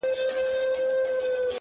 آفتونه یې له خپله لاسه زېږي -